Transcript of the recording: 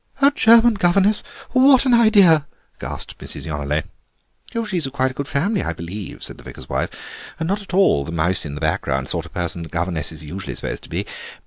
"A German governess! What an idea!" gasped Mrs. Yonelet. "She's of quite good family, I believe," said the vicar's wife, "and not at all the mouse in the back ground sort of person that governesses are usually supposed to be.